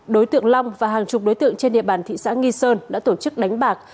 đối tượng long và hàng chục đối tượng trên địa bàn thị xã nghi sơn đã tổ chức đánh bạc